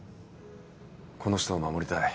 この人を守りたい。